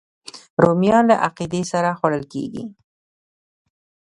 رومیان له عقیدې سره خوړل کېږي